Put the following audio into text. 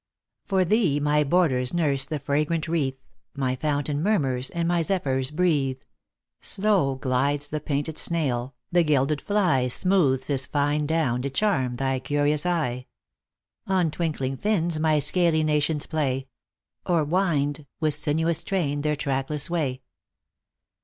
FOR tliee my borders nurse the fragrant wreath, My fountain murmurs and my zephyrs breathe ; Slow glides the painted snail, the gilded fly Smooths his fine down to charm thy curious eye ; On twinkling fins my scaly nations play, Or wind, with sinuous train, their trackless way.